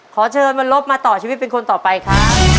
ขอเชิญวันลบมาต่อชีวิตเป็นคนต่อไปครับ